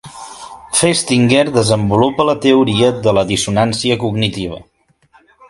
Festinger desenvolupa la teoria de la dissonància cognitiva.